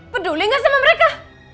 peduli gak sama mereka